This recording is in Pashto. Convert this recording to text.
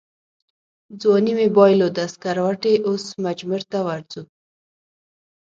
ځواني مې بایلوده سکروټې اوس مجمرته ورځو